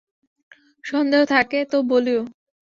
সন্দেহ থাকে তো বলিয়ো।